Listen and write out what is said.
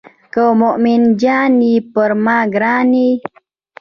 که مومن جان یې پر ما ګران یې.